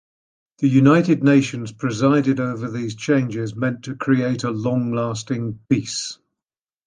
The United Nations presided over these changes meant to create a long-lasting peace.